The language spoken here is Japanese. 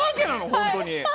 本当に。